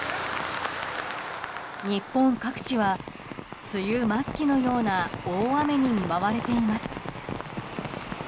日本各地は梅雨末期のような大雨に見舞われています。